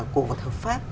cổ vật hợp pháp